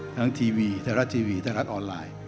ทีวีไทยรัฐทีวีไทยรัฐออนไลน์